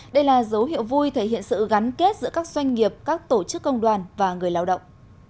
đây là dấu hiệu vui thể hiện sự gắn kết giữa các doanh nghiệp các tổ chức công đoàn và người lao động